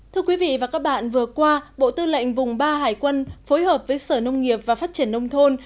thưa quý vị và các bạn vừa qua bộ tư lệnh vùng ba hải quân phối hợp với sở nông nghiệp và phát triển nông thôn